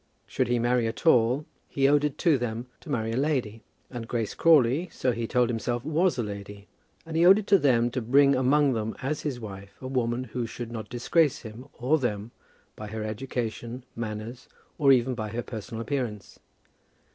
Should he marry at all, he owed it to them to marry a lady. And Grace Crawley, so he told himself, was a lady. And he owed it to them to bring among them as his wife a woman who should not disgrace him or them by her education, manners, or even by her personal appearance.